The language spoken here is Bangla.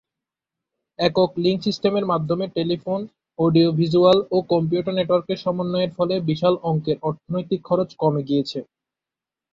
একক লিঙ্ক সিস্টেমের মাধ্যমে টেলিফোন, অডিও-ভিজুয়াল ও কম্পিউটার নেটওয়ার্কের সমন্বয়ের ফলে বিশাল অঙ্কের অর্থনৈতিক খরচ কমে গিয়েছে।